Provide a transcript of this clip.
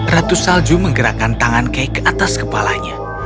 ratu salju menggerakkan tangan kay ke atas kepalanya